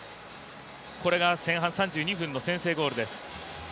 これが前半３２分の先制ゴールです。